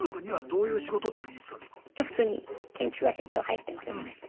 いや普通に建築会社一応入ってますので。